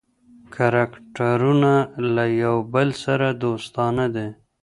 کرکټرونه له یو بل سره دوستانه دي.